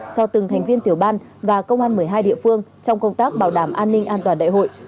cho từng thành viên tiểu ban và công an một mươi hai địa phương trong công tác bảo đảm an ninh an toàn đại hội